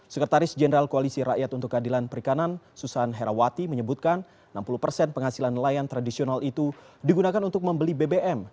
sekretaris jenderal koalisi rakyat untuk keadilan perikanan susan herawati menyebutkan enam puluh persen penghasilan nelayan tradisional itu digunakan untuk membeli bbm